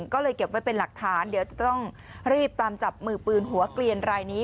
ก็เลยเก็บไว้เป็นหลักฐานเดี๋ยวจะต้องรีบตามจับมือปืนหัวเกลียนรายนี้